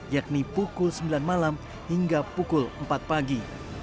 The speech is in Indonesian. yakni pukul sembilan malam hingga pukul empat pagi